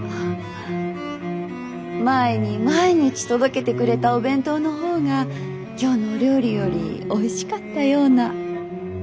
前に毎日届けてくれたお弁当の方が今日のお料理よりおいしかったような。